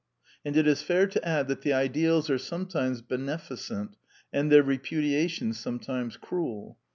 And it is fair to add that the ideals are sometimes beneficent, and their repudiation some times cruel.